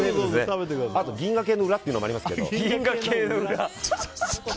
あと銀河系の裏っていうのがありますけど。